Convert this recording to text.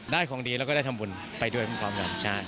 ของดีแล้วก็ได้ทำบุญไปด้วยความหวังใช่